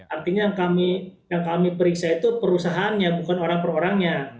artinya yang kami periksa itu perusahaannya bukan orang per orangnya